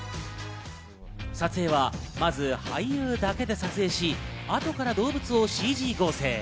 撮影はまず俳優だけで撮影し、後から動物をＣＧ合成。